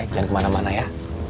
jangan kemana mana ya